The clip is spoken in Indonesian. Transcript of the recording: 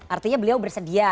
artinya beliau bersedia